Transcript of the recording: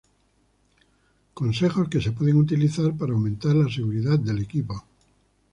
consejos que se pueden utilizar para aumentar la seguridad del equipo